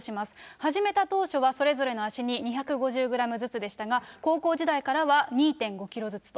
始めた当初はそれぞれの足に２５０グラムずつでしたが、高校時代からは２．５キロずつと。